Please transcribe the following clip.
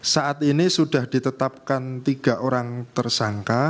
saat ini sudah ditetapkan tiga orang tersangka